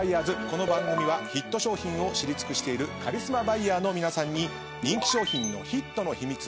この番組はヒット商品を知り尽くしているカリスマバイヤーの皆さんに人気商品のヒットの秘密は何なのか。